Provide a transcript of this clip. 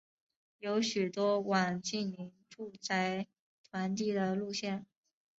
有许多网近邻住宅团地的路线。